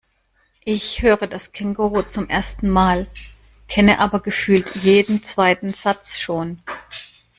Ich höre das Känguruh zum ersten Mal, kenne aber gefühlt jeden zweiten Satz schon.